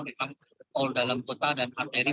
memang tol dalam kota dan arteri